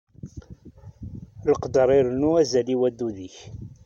Leqder irennu azal i waddud-ik.